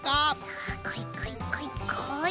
さあこいこいこいこい。